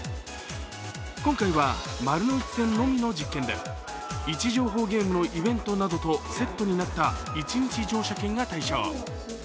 今回は、丸ノ内線のみの実験で位置情報ゲームのイベントなどとセットになった一日乗車券が対象。